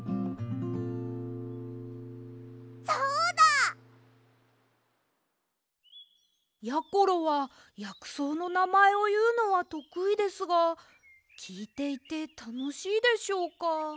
そうだ！やころはやくそうのなまえをいうのはとくいですがきいていてたのしいでしょうか？